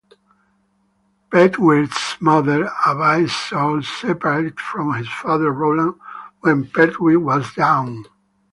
Pertwee's mother, Avice Scholtz, separated from his father Roland when Pertwee was young.